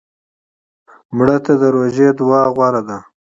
مړه ته د روژې دعا غوره ده